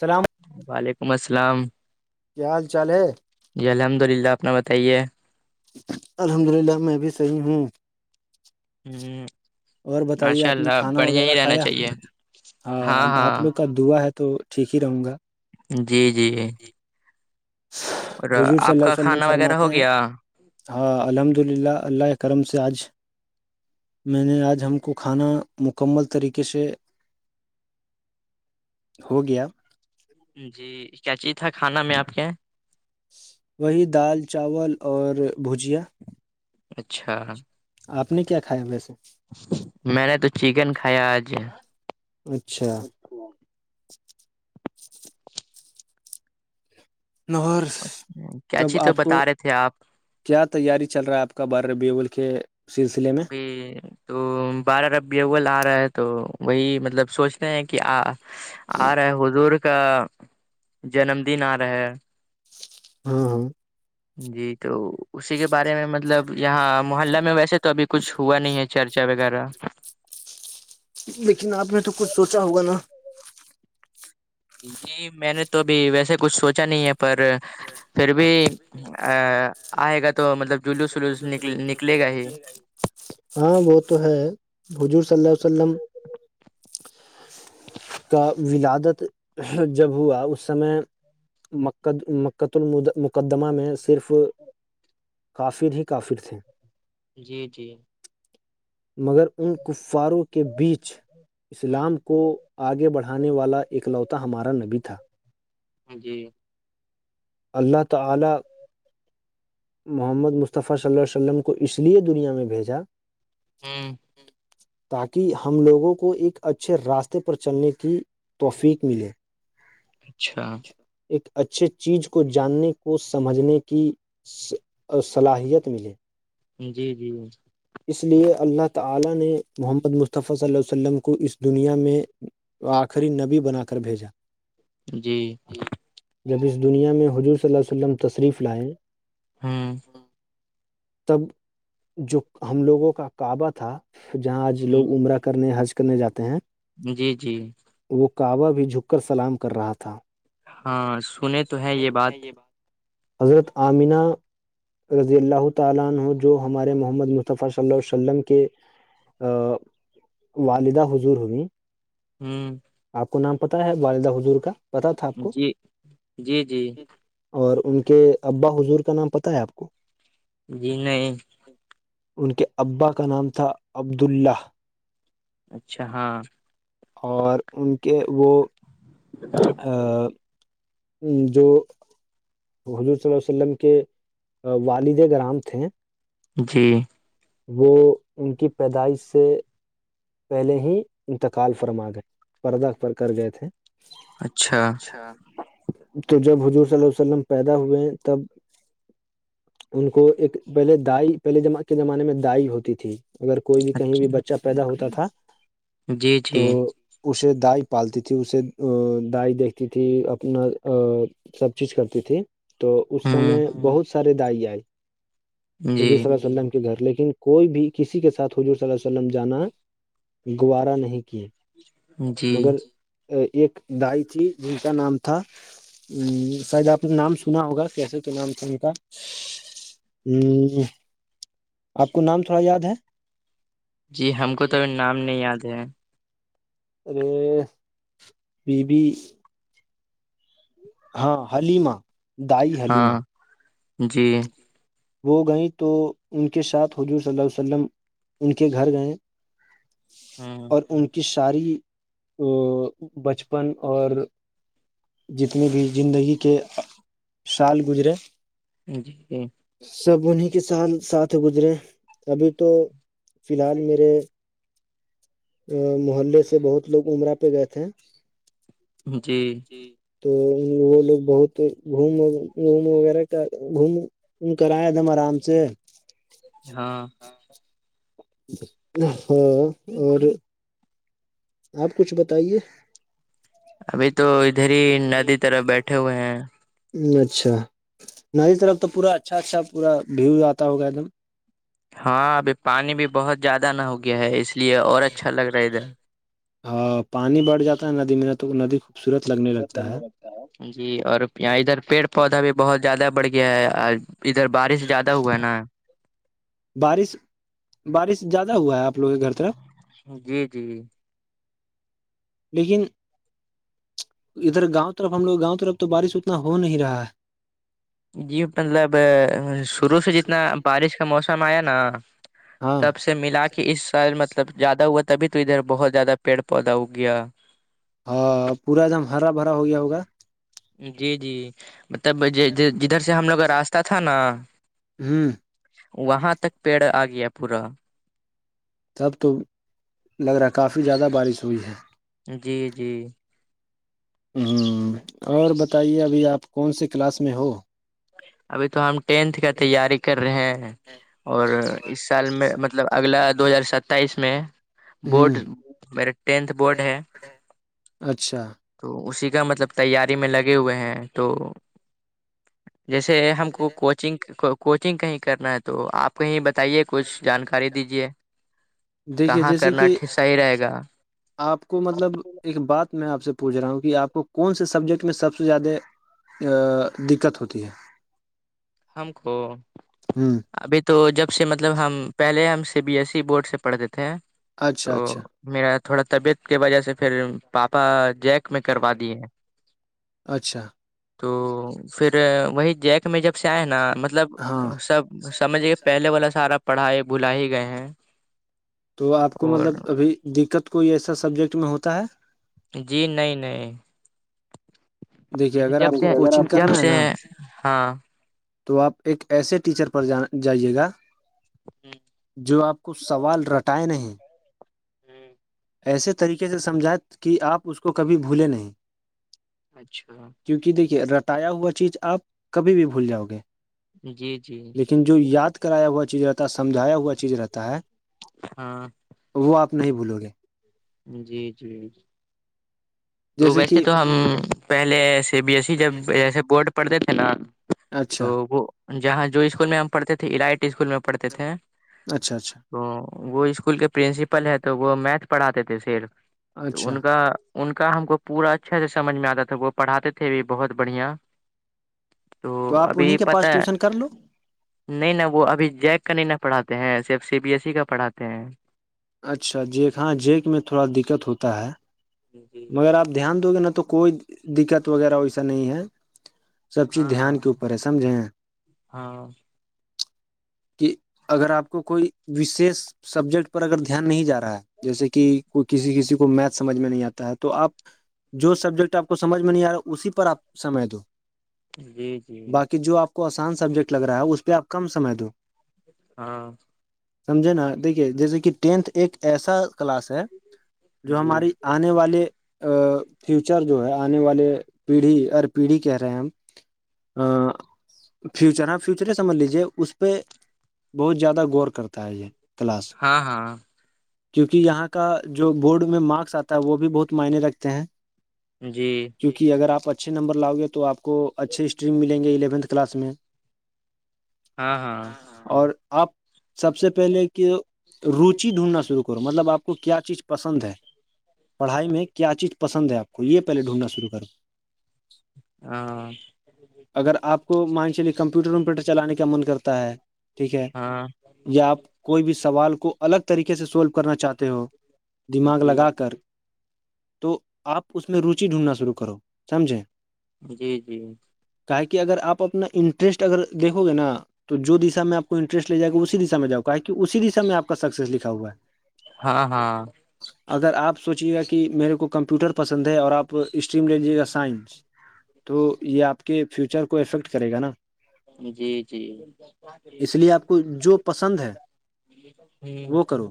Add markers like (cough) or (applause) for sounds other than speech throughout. سلام وعلیکم السلام کیا حال چال ہے جی الحمد للہ آپنا بتائیے الحمد للہ میں بھی صحیح ہوں ہاں اور بتائیے آپ نے کھانا وغیرہ رہنا کھایا چاہیے ہاں آپ لوگ کا دعا ہے تو ٹھیک ہی رہوں گا جی جیی حضور صلی آپ اللہ علیہ کا و سلم کھانا وغیرہ فرماتے ہو ہیں گیا ہاں الحمد للہ اللہ کرم سے آج میں نے آج ہم کو کھانا مکمل طریقے سے ہو گیا جی کیا چیز تھا کھانا میں آپ کے وہی دال چاول اور بھجیا اچھا آپ نے کیا کھایا ویسے میں نے تو چکن کھایا آج اچھا لاہر کیا تب چیز تو آپ کو بتا رہے تھے آپ کیا تیاری چل رہا ہے آپ کا بار بیول کے سلسلے میں ابھی تو بارہ ربیول آ رہا ہے تو وہی مطلب سوچ رہ ہیں کہ آ آ رہا ہے حضور کا جنم دن آ رہا ہے ہاں ہاں جی تو اسی کے بارے میں مطلب یہاں محلہ میں ویسے تو ابھی کچھ ہوا نہیں ہے چرچا وغیرہ لیکن آپ نے تو کچھ سوچا ہوگا نا جی میں نے تو ابھی ویسے کچھ سوچا نہیں ہے پر پھر بھی آئے گا تو مطلب جلوس ولوس دوسرے نکل نکلے گا نک ہی لیے ہاں وہ تو ہے حجور صلی اللہ وسلم کا ولادت جب ہوا اس سمے مق مقۃ الم مقدمہ میں صرف کافر ہی کافر تھے جی جی مگر ان کفاروں کے بیچ اسلام ہ کو آگے بڑھ والا اکلوتا ہمارا نبی تھا جی اللہ تعاللی محمد مصطفی صلی ال عیہ وسلم کو اس لیے دنیا میں بھیجا ہاں تاکہ ہم لوگوں کو ایک اچھے راستے پر چلنے کی توفیق ملے اچھا ایک اچھے چیز کو جاننے کو سمجھنے کی اور صلاحیت ملے جی جی اس لیے اللہ تعالی نے محمد مصطفی صلی ال عیہ وسلم کو اس دنیا میں تو آخری نبی بنا کر بھیجا جی جب اس دنیا میں حضور صلی اللہ ولم تشریف لائے ہاں تب جو ہم لوگوں کا کعبہ تھا جہاں آج لوگ عمرہ کرنے حج کرنے جاتے ہیں جی جی وہ کعبہ بھی جھک کر سلام کر رہا تھا ہاں سنے تو ہے یہ بات حضرت آمینہ رضی اللہ اعالان ہووں جو ہمارے محمد مطفی صلی ال عیہ و سلم کے والدہ حضور ہوئی ہوں آپ کو نام پتا ہے والدہ حضور کا پتہ تھا آپ کو جی جی جی اور ان کے ابا حضور کا نام پتہ ہے آپ کو جی نہیں ان کے ابا کا نام تھا عبد اللہ اچھا ہاں اور ان کے وہ جو حضور صلی ال عیہ وسلم کے والد گرام تھے جی وہ ان کی پیدائش سے پہلے ہی انتقال فرما گئے پردہ کر گئے تھے اچھا تو جب حضور صلی اللہ وسلم پیدا ہوئے تب (unintelligible) ان کو ایک پہلے دائی پہلےم کے زمانے میں دائی ہوتی تھی (unintelligible) اگر کوئی بھی کہیں اچھا بھی بچہ پیدا ہوتا تھا جی تو جی اسے دائی پالتی تھی اسے دائی دیکھتی تھی اپنا سب چیز کرتی تھی (inaudible) (unintelligible) تو اس ہوں سمے بہت سارے دائی آئے حضور جی صب گھر لیکن کوئی بھی کسی کے ساتھ حضور صلی اللہ وسلم جانا ہے گوارہ نہیں کیے جی مگر ایک دائی تھی جن کا نام تھا شاید آپ نے نام سنا ہوگا کیسے تو نام سن کا آپ کو نام تھوڑا یاد ہے جی ہم کو تو نام نہیں یاد ہے ا بی بی (unintelligible) ہاں حلیما دائی حلیما ہاں جی وہ گئیں تو ان کے ساتھ حضور صلی ال علیہ وسلم ان کے گھر گئے ہوں اور ان کی ساری ا بچپن اور (unintelligible) جتنے بھی زندگی کے سال گزرے جی سب انہی کے سھ ساتھ گزرے ابھی تو فی الحال میرے محلے سے بہت لوگ امرہ پہ گئے تھے جی تو وہ لوگ بہت گوم گوم وغیرہ کا گوم تم کرا دم آرام سے ہاں (inaudible) ہاں اور (inaudible) آپ کچھ بتائیے ابھی تو ادھر ہی ندی طرف بیٹھے ہوئے ہیں اچھا ناری طرف تو پورا اچھا اچھا پورا ویو آتا ہوگا ایک دم ہاں ابھی پانی بھی بہت زیادہ نہ ہو گیا ہے اس لیے اور اچھا لگ رہا ہے ا دھر پانی بڑھ جاتا ہے ندی میں تو ندی لگنے لگتا ہے جی اور یہاں ادھر پیڑ پودا بھی بہت زیادہ بڑھ (unintelligible) یہ ادھر بارش زیادہ ہوا ہے نا بارش بارش زیادہ ہوا ہے آپ لوگوں کے گھر طرف جی جیی (unintelligible) لیکن (unintelligible) ادھر گاؤں طرف ہم لوگ گاؤں طرف تو بارش اتنا ہو نہیں رہا ہے جی مطلب شروع سے جتنا بارش کا موسم آیا نا ہاں تب سے (unintelligible) سے ملا کے اس سال مطلب زیادہ ہوا تبھی تو ادھر بہت زیادہ پیڑ پودا ہوگیا ہاں پورا ایک دم ہرا بھرا ہو گیا ہوگا جی جی مطلب جدھر سے ہم لوگ کا راستہ تھا نا ہوں وہاں تک پیڑ آ گیا پورا تب تو لگ رہا ہے کافی زیادہ بارش ہوئی ہے جی جی ہوں اور بتائیے ابھی آپ کون سے کلاس میں ہو ابھی تو ہم ٹینتھ کا تیاری کر رہے ہیں اور اس سال میں مطلب اگلا دو ہزار ستائیس میں ہ بورڈ میرے ٹینتھ بورڈ ہے اچھا تو اسی کا مطلب تیاری میں لگے ہوئے ہیں تو جیسے ہم کو کوچنگ کوچنگ کہیں کرنا ہے تو آپ (unintelligible) آ کہیں بتائیے کچھ جانکاری دیجے دیکھیے کہاں جیسے کرنا کہ صحیح رہے گا آپ کو مطلب ایک بات میں آپ سے پوچھ رہا ہوں کہ آپ کو کون سے سبجیکٹ میں سب سے زیادہ دقت ہوتی ہے ہم کو ہ ابھی تو جب سے مطلب ہم پہلے ہم C B S E board سے پڑھتے تھے اچھا تو اچھا میرا تھوڑا طبیعت کی وجہ سے پھر پاپا جیک میں کروا دی ہیں اچھا تو پھر وہی جیک میں جب ہے نا مطلب ہاں سب سمجھے کہ پہلے والا سارا پڑھائی بھلا ہی گئے ہیں تو آپ کو اور مطلب ابھی دقت کوئی ایسا سبجیکٹ میں ہوتا ہے (unintelligible) جی نہیں نہیں دیکھیے جے اگر جب آپ کو سے کوچنگ جب کرنا ہے سے نا ہاں تو آپ ایک ایسے ٹیچر پر جا جائیے گا جو آپ کو سوال رٹائے نہیں جی (unintelligible) ایسے طریقے سے سمجھیں کہ آپ اس کو کبھی بھولیں نہیں اچھا کیونکہ دیکھیے رتایا ہوا چیز آپ کبھی بھی بھول جاؤ گے جی جی لیکن ن جو یاد کرایا ہوا چیز رہتا ہے سمجایا ہوا چیز رہتا ہے (unintelligible) ہاں وہ آپ نہیں بھولو گے جی جی تو جیسے ویسے کہ تو ہم پہلے سی بی ایس ای جب جیسے بورڈ پڑھتے تھے نا تو اچھا وہ جہاں جو اسکول میں ہم پڑھتے تھے ارائٹ اسکول میں پڑھتے تھے اچھا اچھا تو وہ اسکول کے پرنسپل ہے تو وہ میتھ پڑھاتے تھے پر تو ان اچھا کا ان کا ہم کو پورا اچھا سے سمجھ میں آتا تھا وہ پڑھاتے تھے بھی بہت بڑھیا تو آپ ابھی انہیں کے پت پاس ہے ٹیوشن کر (unintelligible) لو نہیں ن وہ ابھی جیک کا نہیں ن پڑھاتے ہیں صرف سی بی ایس ای کا پڑھاتے ہیں اچھا جیک ہاں جیک میں تھوڑا دقت ہوتا ہے جی (unintelligible) مگر آپ دھیان دو گے نہ تو کوئی دقت وغیرہ ویسا نہیں ہے سب چیز ہاں ہاں دھیان کے اوپر ہے سمجھیں ہیں ہاں کہ اگر آپ کو کوئی وشیش سبجیکٹ پر اگر دھیان نہیں جا رہا ہے جیسے کہ کوئی کسی کسی کو میتھ سمجھ میں نہیں آتا ہے تو آپ جو سبجیکٹ آپ کو سمجھ میں نہیں آ رہا اسی پر آپ سمج دو (unintelligible) جی جی باقی جو آپ کو آسان سبجیکٹ لگ رہا ہے اس پہ آپ کم سمے دو ہاں سمجھے نا دیکھیے جیسے کہ ٹینتھ ایک ایسا کلاس ہے جو جی ہماری آنے والے ا فیوچر جو ہے آنے والے پیڑھی ہر پیڑھی کہہ رہے ہیں ہم فیوچر ہ فیوچر ہے سمجھ لیجے اس پہ بہت زیادہ غور کرتا ہے یہ کلاس ہاں ہاں کیوںکہ یہاں کا جو بورڈ میں مارکس آتا ہے وہ بھی بہت معنی رکھتے ہیں جی کیونکہ اگر آپ اچھے نمبر لاؤ گے تو آپ کو اچھے اسٹریم ملیں گے الیونتھ کلاس میں ہاں ہاں اور آپ سب سے پہلے کہ روجی ڈھونڈنا شروع کر (unintelligible) مطلب آپ کو کیا چیز پسند ہے پڑھائی میں کیا چیز پسند ہے آپ کو یہ پہلے ڈھونڈنا شروع کروں ہاں اگر آپ کو مان چلیے کمپیوٹر ومپیوٹر چلانے کا من کرتا ہے ٹھیک ہے ہاں یا آپ کوئی بھی سوال کو الگ طریقے سے سولو کرنا چاہتے ہو دماغ جی لگا کر تو آپ اس میں روچی ڈھونڈنا شروع کرو سمجھیں جی جی کا ہے کی اگر آپ اپنا انٹرسٹ اگر دیکھو گے نا تو جو دشا میں آپ کو انٹرسٹے جائے گا اسی دشا میں جاؤا کہ اسی دشا میں آ کا سکس لکھا ہے ہاں ہاں (inaudible) اگر آپ سوچیے گا کہ میرے کو کمپیوٹر پسند ہے اور آپ اسٹریم لے لیجیے گا سائنس تو یہ آپ کے فیوچر کو افیکٹ کرے گا نا جی جی اس لیے آپ کو جو پسند ہے جی وہ کرو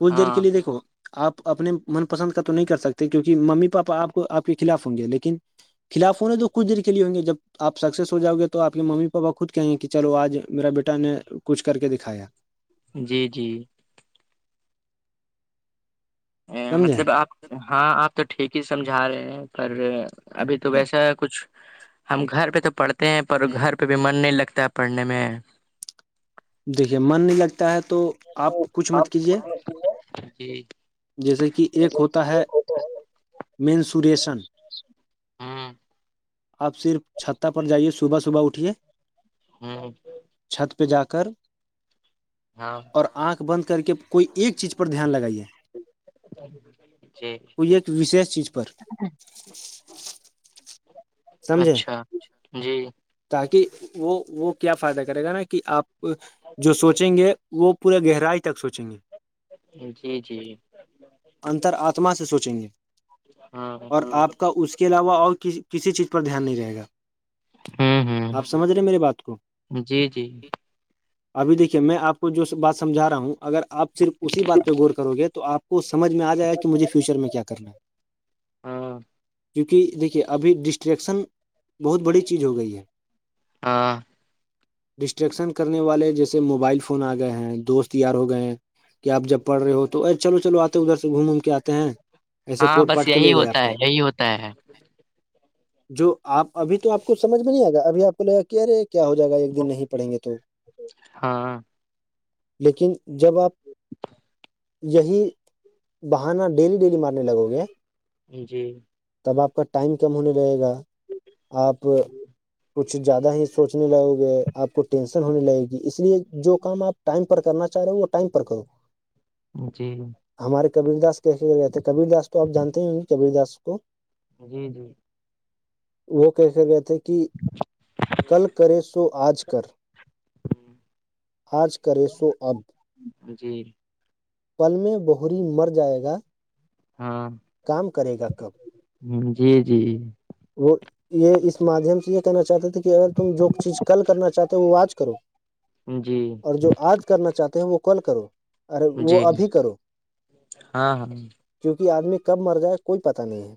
کچھ دیر کے لیے دیکھو آپ اپنے من پسند کا تو نہیں کر سکتے کیونکہ ممی پاپا آپ کو آپ کے خلاف ہوں گے لیکن فیلحال ہونے تو کچھ دیر کے لیے ہوں گے جب آپ سکسیس ہواؤے توپ کے ممی پاپا خود کہ ہیں کہ چلو آج میرا بیٹا نے کچھ کر کے دکھایا جی جی سمجھیں مطلب آپ ہاں آپ تو ٹھیک ہی سمجھا رہے ہیں پر ابھی تو ویسا ہے کچھ ہم گھر پہ تو پڑھتے ہیں پر گھر پہ بھی من نہیں لگتا ہے پڑھنے میں دیکھیے من نہیں لگتا ہے تو تو کچھ مت آپ کو کیجیے سمجھ ہے جی جیسے کہ ایک ہوتا ہے مینسوریشن ہاں آپ صرف چھتہ پر جائیے صبح صبح اٹھیے ہاں چھت پہ جا کر ہاں اور آنکھ بند کر کے کوئی ایک چیز پر دھیان لگائیے جی کوئی ایک وشیش چیز پر سمجھے اچھا جی تاکہ وہ وہ کیا فائدہ کرے گا نا کہ آپ جو سوچیں گے وہ پورا گہرائی تک سوچیں گے جی جی انتر آتما سے سوچیں گے ہاں اور آپ کا اس کے علاوہ اور کسی چیز پر دھیان نہیں جائے گا ہوں آپ ہوں سمجھ رہے میری بات کو جی جی ابھی دیکھیے میں آپ کو جو بات سمجھا رہا ہوں اگر آپ صرف اسی بات پہ غور کرو گے تو آپ کو سمجھ میں آ جائے گا مجھے فیوچر میں کیا کرنا ہے ہاں کیونکہ دیکھیے ابھی ڈس انٹریکشن بہت بڑی چیز ہو گئی ہے ہاں ڈسٹریکشن کرنے والے جیسے موبائل فون آ گئے ہیں دوست یار ہو گئے ہیں کہ آپ جب پڑھ رہے ہو تو ارے چلو چلو آتے ادھر سے گھوم وم کے آتے ہیں ایسے ہاں پورٹ بس پاٹ کے یہی لے گئے آپ ہوتا کو ہے ہوتا ہے جو آپ ابھی تو آپ کو سمجھ میں نہیں آ گا ابھی آپ کو لگا کہ ارے کیا ہو جائے گا ایک دن نہیں پڑھیں گے تو ہاں لیکن جب آپ یہی بہانہ ڈیلی ڈیلی مارنے لگو گے جی تب آپ کا ٹائم کم ہونے لگے گا آپ کچھ زیادہ ہی سوچنے لگو گے آپ کو ٹینشن ہونے لگے گی اس لیے جو کام آپ ٹائم پر کرنا چاہ رہے ہو وہ ٹائم پر کرو جی ہمارے کبیر داس کی رہئے تھے کبیر داس تو آپ جانتے ہی کبیر دا کو جی جی وہ کہے گئے تھے کہ کل کرے سو آج کر آج کری سو اب جی پل میں بہری مر جائے گا ہاں کام کرے گا کب جی جی وہ یہ اس مادھیم سے یہ کہنا چاہتا تھے کہ اگر تم جو چیز کل کرنا چاہتے ہو وہ آج کرو جی اور جو آج کرنا چاہتے ہیں وہ کل کرو ارے وہ جی ابھی کرو ہاں ہاں کیونکہ آدمی کب مر جائے کوئی پتاہ نہیں ہے